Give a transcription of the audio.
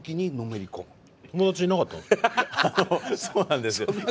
そうなんですよ。